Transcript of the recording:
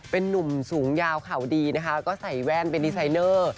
เป็นนุ่มสูงยาวข่าวดีนะคะก็ใส่แว่นเป็นดีไซเนอร์